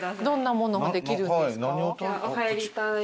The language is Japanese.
どんなものができるんですか？